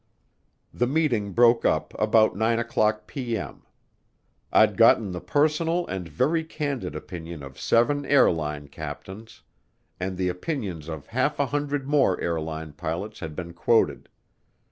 The meeting broke up about 9:00P.M. I'd gotten the personal and very candid opinion of seven airline captains, and the opinions of half a hundred more airline pilots had been quoted.